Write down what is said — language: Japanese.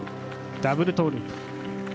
ダブルトーループ。